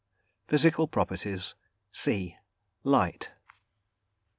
PHYSICAL PROPERTIES. C LIGHT.